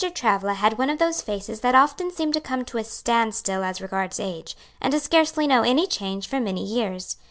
Travilla had one of those faces that often seem to come to a stand still as regards age, and to scarcely know any change for many years.